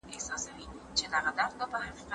نو په ویبپاڼه کې یې واچوه.